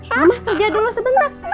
mama kerja dulu sebentar